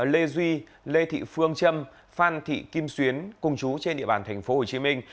lê duy lê thị phương trâm phan thị kim xuyến cùng chú trên địa bàn thành phố hồ chí minh